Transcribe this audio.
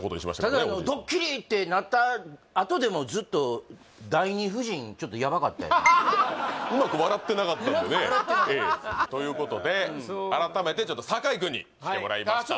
ただあのドッキリってなったあとでもずっとうまく笑ってなかったんでねうまく笑ってなかったということで改めてちょっと酒井君に来てもらいましたあ